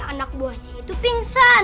anak buahnya itu pingsan